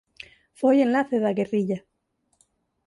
Foi enlace da guerrilla.